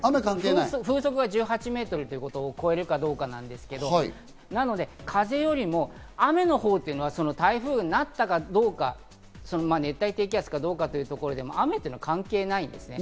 風速が１８メートルを超えるかどうかなんですけど、なので、風よりも雨のほうというのは台風になったかどうか、熱帯低気圧かどうか、というところでも雨とは関係ないんですね。